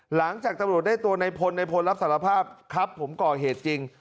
หลังจากตำรวจได้ตัวในพลในพลรับสารภาพครับผมก่อเหตุจริง